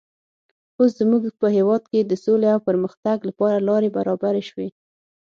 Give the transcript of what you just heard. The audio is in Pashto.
اوس زموږ په هېواد کې د سولې او پرمختګ لپاره لارې برابرې شوې.